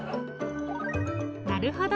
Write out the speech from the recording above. なるほど。